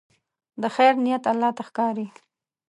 د خیر نیت الله ته ښکاري.